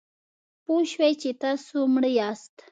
پوه شئ چې تاسو مړه یاست .